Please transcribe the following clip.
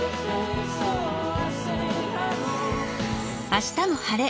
「あしたも晴れ！